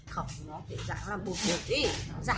khẩu nó để dạng làm bột bột đi